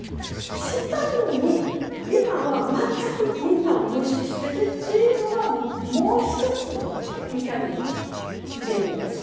したのに、今は全くみんなを無視しているというのはもう１つの怒りの原因です。